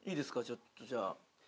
ちょっとじゃあ。